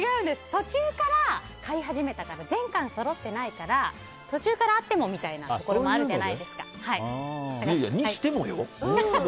途中から買い始めたから全巻そろってないから途中からあってもみたいなところそれにしてもよ。